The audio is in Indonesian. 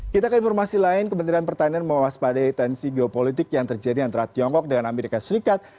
kita ke informasi lain kementerian pertanian mewaspadai tensi geopolitik yang terjadi antara tiongkok dengan amerika serikat